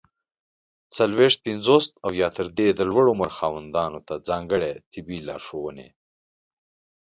څلوېښت، پنځوس او یا تر دې د لوړ عمر خاوندانو ته ځانګړي طبي لارښووني!